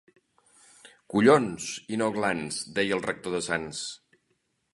Collons, i no glans, deia el rector de Sants.